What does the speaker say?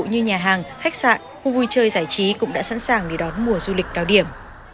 như nhà hàng khách sạn khu vui chơi giải trí cũng đã sẵn sàng để đón mùa du lịch cao điểm